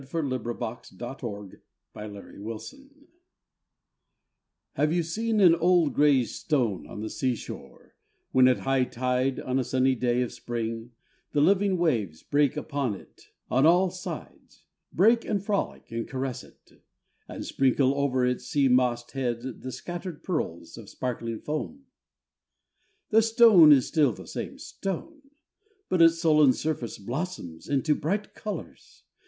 304 POEMS IN PROSE n [1879 1882] THE STONE Have you seen an old grey stone on the sea shore, when at high tide, on a sunny day of spring, the living waves break upon it on all sides — break and frolic and caress it — and sprinkle over its sea mossed head the scattered pearls of sparkling foam ? The stone is still the same stone ; but its sullen surface blossoms out into bright colours.